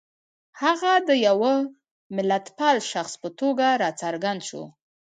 هغه د یوه ملتپال شخص په توګه را څرګند شو.